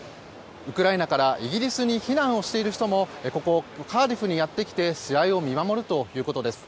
ウクライナからイギリスに避難をしている人もここ、カーディフにやってきて試合を見守るということです。